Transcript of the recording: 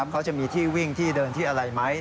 เขาจะมีที่วิ่งที่เดินที่อะไรไหม